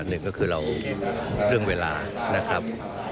หนึ่งก็คือเราเรื่องเวลานะครับ